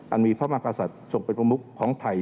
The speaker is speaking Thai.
มีพระมากษัตริย์ทรงเป็นประมุขของไทย